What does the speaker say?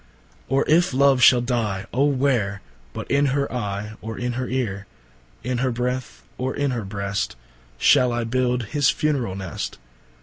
Or if Love shall dye, ô where, But in her Eye, or in her Eare, In her Breath, or in her Breast, Shall I Build his funerall Nest?